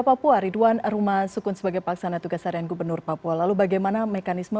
papua ridwan rumah sukun sebagai paksana tugas harian gubernur papua lalu bagaimana mekanisme